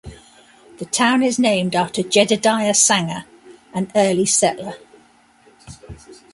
The town is named after Jedediah Sanger, an early settler.